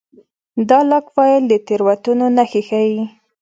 دا لاګ فایل د تېروتنو نښې ښيي.